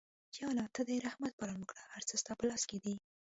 یا الله ته د رحمت باران وکړه، هر څه ستا په لاس کې دي.